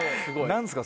何ですか？